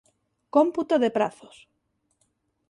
Cómputo de prazos.